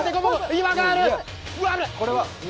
岩がある！